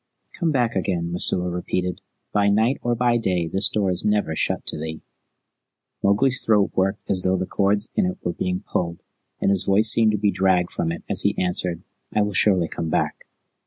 "Come back again," Messua repeated. "By night or by day this door is never shut to thee." Mowgli's throat worked as though the cords in it were being pulled, and his voice seemed to be dragged from it as he answered, "I will surely come back."